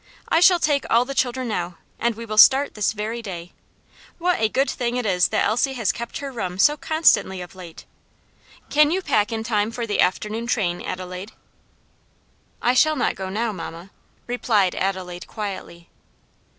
I shall take all the children now, and we will start this very day; what a good thing it is that Elsie has kept her room so constantly of late! Can you pack in time for the afternoon train, Adelaide?" "I shall not go now, mamma," replied Adelaide quietly.